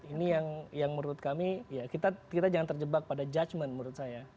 ini yang menurut kami ya kita jangan terjebak pada judgement menurut saya